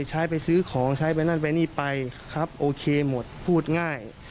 ใช้ไปซื้อของใช้ไปนั่นไปนี่ไปครับโอเคหมดพูดง่าย